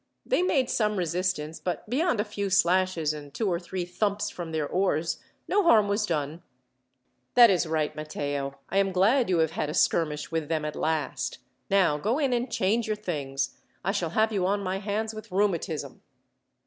They made some resistance, but beyond a few slashes, and two or three thumps from their oars, no harm was done." "That is right, Matteo. I am glad you have had a skirmish with them at last. Now go in and change your things. I shall have you on my hands with rheumatism."